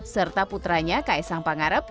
serta putranya kaisang pangarep